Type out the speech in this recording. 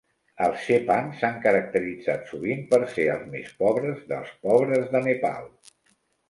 Els chepang s'han caracteritzat sovint per ser els més pobres dels pobres de Nepal.